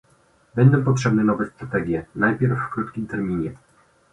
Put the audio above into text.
Będą potrzebne nowe strategie, najpierw w krótkim terminie